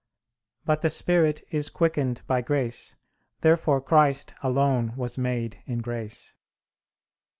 But the spirit is quickened by grace. Therefore Christ alone was made in grace.